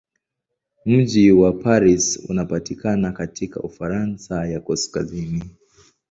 Mji wa Paris unapatikana katika Ufaransa ya kaskazini.